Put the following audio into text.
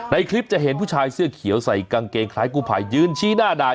ในคลิปจะเห็นผู้ชายเสื้อเขียวใส่กางเกงคล้ายกู้ภัยยืนชี้หน้าด่าน